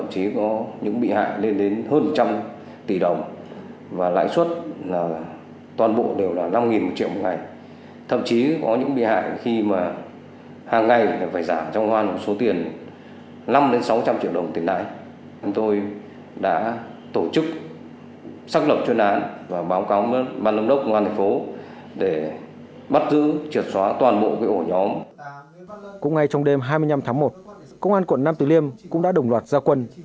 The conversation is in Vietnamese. cũng ngay trong đêm hai mươi năm tháng một công an quận nam tử liêm cũng đã đồng loạt gia quân